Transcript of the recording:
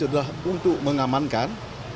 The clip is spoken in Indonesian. itu adalah untuk mengamankan